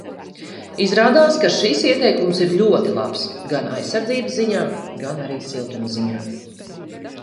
Izrādās, ka šis ieteikums ir ļoti labs, gan aizsardzības ziņā, gan arī siltuma ziņā.